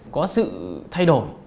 có sự thay đổi